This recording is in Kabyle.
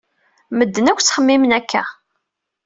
Medden akk ttxemmimen akka.